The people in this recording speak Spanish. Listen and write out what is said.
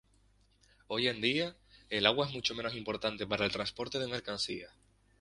Hoy en día, el agua es mucho menos importante para el transporte de mercancías.